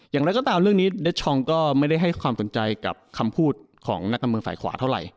อย่างไรก็ตามเรื่องนี้เดชชองก็ไม่ได้ให้ความสนใจกับคำพูดของนักการเมืองฝ่ายขวาเท่าไหร่